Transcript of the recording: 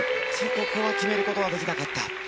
ここは決めることはできなかった。